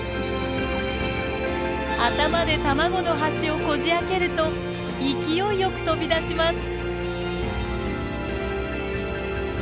頭で卵の端をこじあけると勢いよく飛び出します。